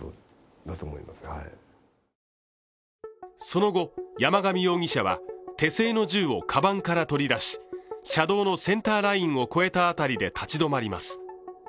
その後、山上容疑者は手製の銃をかばんから取り出し車道のセンターラインを越えた辺りで立ち止まります。